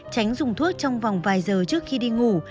tránh dùng thuốc trong vòng vài giờ trước khi đi ngủ